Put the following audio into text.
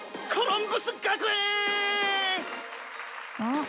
ん？